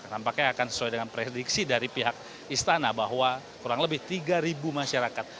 nampaknya akan sesuai dengan prediksi dari pihak istana bahwa kurang lebih tiga masyarakat